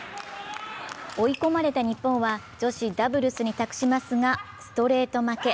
追い込まれた日本は女子ダブルスに託しますがストレート負け。